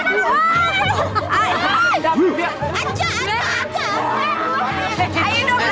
bupar bupar luar semua